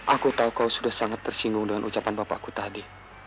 aku tahu kau sudah sangat tersinggung dengan ucapan bapakku tadi